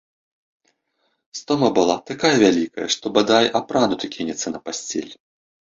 Стома была такая вялікая, што, бадай, апрануты кінецца на пасцель.